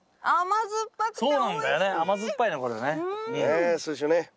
ねえそうでしょうね。